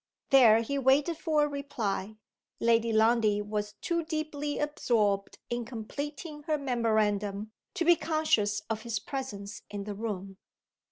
There he waited for a reply. Lady Lundie was too deeply absorbed in completing her memorandum to be conscious of his presence in the room.